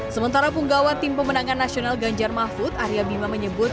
sementara punggawa tim pemenangan nasional ganjar mahfud arya bima menyebut